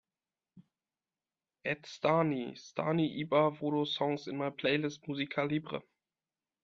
add Stani, stani Ibar vodo songs in my playlist música libre